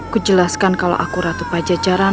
kujelaskan kalau aku jatuh pajacaran